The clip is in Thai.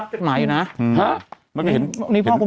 ตอนนี้เห็นพ่อคุณแม่รับเจ็บทรง